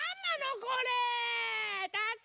これ。